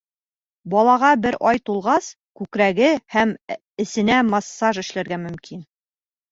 Балаға бер ай тулғас, күкрәге һәм эсенә массаж эшләргә мөмкин.